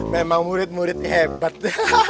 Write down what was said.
memang murid murid hebat